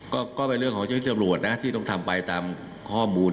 ก็เป็นเรื่องของเจ้าที่จำรวจนะที่ต้องทำไปตามข้อมูล